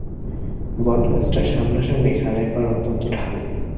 বটগাছটার সামনাসামনি খালের পাড় অত্যন্ত ঢালু।